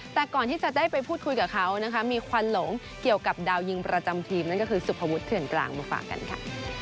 แต่ก่อนที่จะได้ไปพูดคุยกับเขานะคะมีควันหลงเกี่ยวกับดาวยิงประจำทีมนั่นก็คือสุภวุฒิเถื่อนกลางมาฝากกันค่ะ